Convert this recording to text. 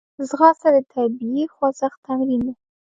ځغاسته د طبیعي خوځښت تمرین دی